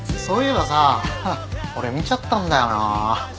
そういえばさ俺見ちゃったんだよな。